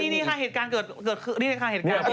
นี่เหตุการณ์เกิดขึ้น